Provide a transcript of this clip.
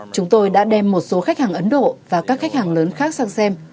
chúng tôi đã đem một số khách hàng ấn độ và các khách hàng lớn khác sang xem